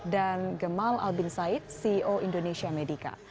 dan gemal albin said ceo indonesia medica